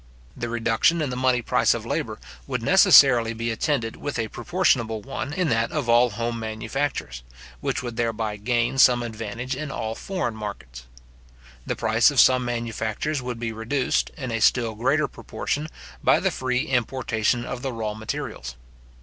The reduction in the money price of labour would necessarily be attended with a proportionable one in that of all home manufactures, which would thereby gain some advantage in all foreign markets. The price of some manufactures would be reduced, in a still greater proportion, by the free importation of the raw materials.